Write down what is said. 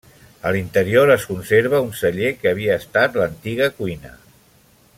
A l'interior es conserva un celler que havia estat l'antiga cuina.